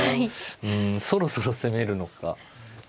うんそろそろ攻めるのか。